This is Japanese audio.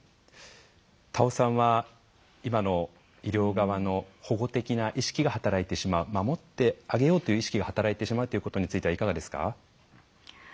田尾さんは今の医療側の保護的な意識が働いてしまう守ってあげようという意識が働いてしまうということについてはいかがですか？